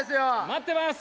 待ってます。